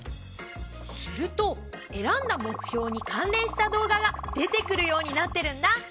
すると選んだ目標に関連した動画が出てくるようになってるんだ。